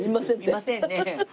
いませんね。